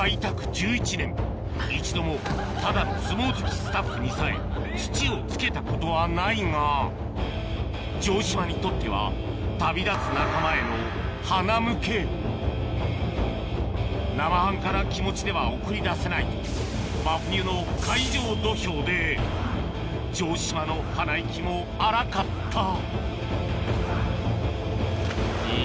１１年一度もただの相撲好きスタッフにさえ土をつけたことはないが城島にとっては旅立つ仲間へのはなむけ生半可な気持ちでは送り出せない真冬の海上土俵で城島の鼻息も荒かった西！